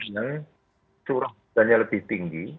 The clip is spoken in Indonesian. yang suruh hujan nya lebih tinggi